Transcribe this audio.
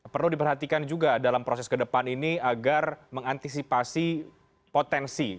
perlu diperhatikan juga dalam proses ke depan ini agar mengantisipasi potensi